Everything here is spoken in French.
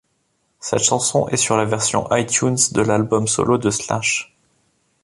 Cette chanson est sur la version iTunes de l'album solo de Slash.